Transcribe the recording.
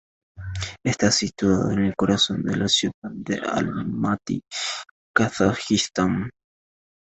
Está situado en el corazón de la ciudad de Almatý, Kazajistán.